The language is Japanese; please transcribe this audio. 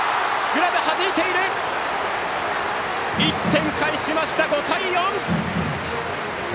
１点返しました、５対４！